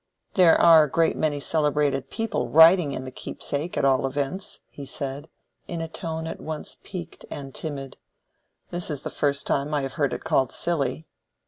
"There are a great many celebrated people writing in the 'Keepsake,' at all events," he said, in a tone at once piqued and timid. "This is the first time I have heard it called silly."